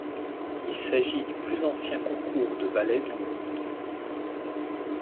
Il s'agit du plus ancien concours de ballet dans le monde.